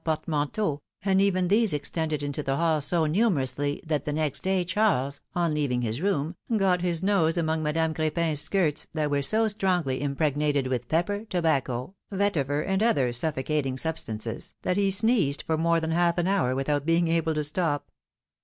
205 portmanteaux, and even these extended into the hall so numerously, that the next day Charles, on leaving his room, got his nose among Madame Crepin^s skirts, that were so strongly impregnated with pepper, tobacco, vety ver, and other suffocating substances, that he sneezed for more than half an hour without being able to stop.